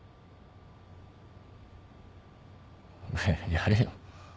やれよ。